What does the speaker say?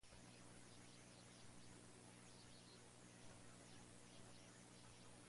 Está basada en el guion por Bogdanovich y Blaine Novak.